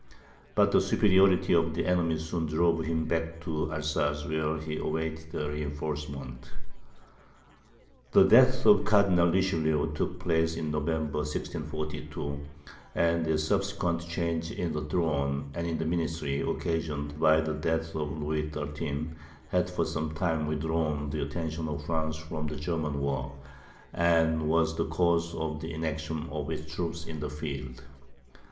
But the superiority of the enemy soon drove him back to Alsace, where he awaited a reinforcement. The death of Cardinal Richelieu took place in November, 1642, and the subsequent change in the throne and in the ministry, occasioned by the death of Louis XIII., had for some time withdrawn the attention of France from the German war, and was the cause of the inaction of its troops in the field.